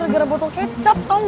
kan gara gara botol kecap tau gak